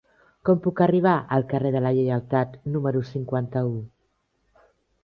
Com puc arribar al carrer de la Lleialtat número cinquanta-u?